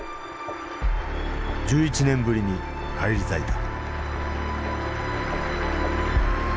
１１年ぶりに返り咲いた。